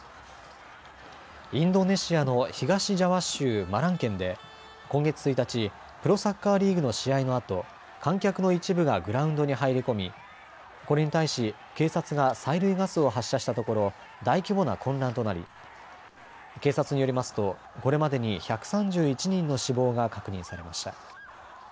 インドネシアの東ジャワ州マラン県で今月１日、プロサッカーリーグの試合のあと観客の一部がグラウンドに入り込みこれに対し警察が催涙ガスを発射したところ大規模な混乱となり警察によりますとこれまでに１３１人の死亡が確認されました。